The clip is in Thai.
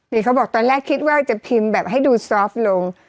นี่เขาบอกตอนแรกคิดว่าจะพิมพ์แบบให้ดูซอฟต์ลง